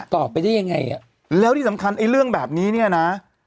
ตอบไปได้ยังไงอ่ะแล้วที่สำคัญไอ้เรื่องแบบนี้เนี่ยนะ